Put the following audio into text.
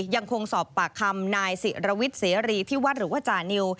ยังคงสอบปากคำนายศิรวิทย์เสรีพิวัฒน์หรือว่าจานิว